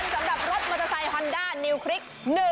วันนะครับ๑๐๐คันสำหรับรถมอเตอร์ไซค์ฮอนด้านิวคลิก๑๒๕